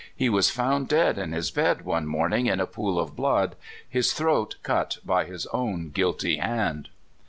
He was found dead in his bed one morning in a pool of blood, his throat cut by his own guilty hand.